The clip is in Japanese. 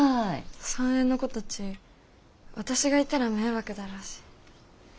３Ａの子たち私がいたら迷惑だろうし。